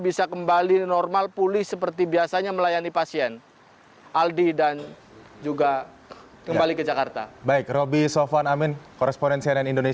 bisa kembali normal pulih seperti biasanya melayani pasien